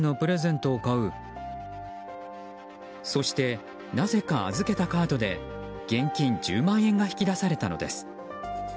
そして、なぜか預けたカードで現金１０万円が引き出されたのです。